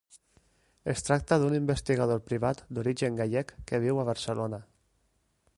Es tracta d'un investigador privat d'origen gallec que viu a Barcelona.